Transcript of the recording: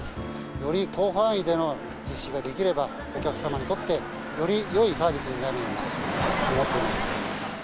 より広範囲での実施ができれば、お客様にとって、よりよいサービスになるのではないかと思います。